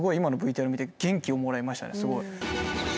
今のＶＴＲ見て元気をもらいました。